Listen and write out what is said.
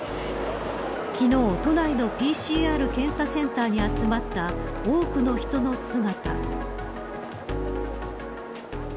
昨日、都内のＰＣＲ検査センターに集まった多くの人の姿。